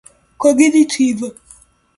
cognitiva